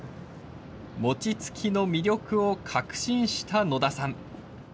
餅つきの魅力を確信した野田さん。